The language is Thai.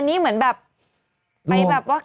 อันนี้เหมือนแบบ